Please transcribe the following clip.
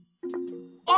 あ！